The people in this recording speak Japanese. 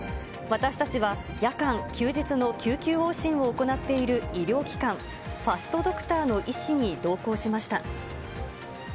私たちは夜間、休日の救急往診を行っている医療機関、ファストドクターの医師に同行しました。